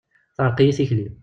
Teɛreq-iyi tikli.